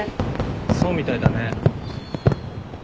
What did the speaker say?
そうみたいだね。